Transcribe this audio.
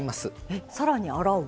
えっさらに洗う？